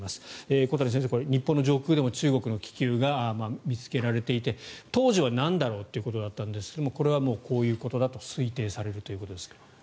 小谷先生、日本の上空でも中国の気球が見つけられていて当時はなんだろうということだったんですがこれはこういうことだと推定されるということですが。